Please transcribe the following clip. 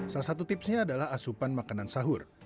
salah satu tipsnya adalah asupan makanan sahur